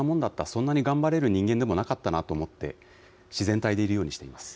そんなに頑張れる人間でもなかったなと思って、自然体でいるよう心がけます。